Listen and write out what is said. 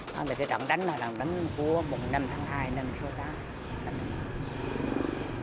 thế này cái trận đánh là trận đánh của năm tháng hai năm tháng tám